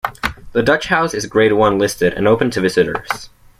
The Dutch House is Grade One listed, and open to visitors.